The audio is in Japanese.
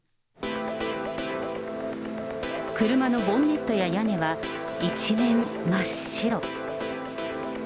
車のボンネットや屋根は一面真っ白。